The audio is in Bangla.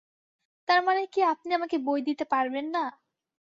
তার মানে কি আপনি আমাকে বই দিতে পারবেন না?